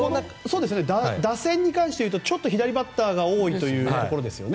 打線に関して言うとちょっと左バッターが多いというところですよね。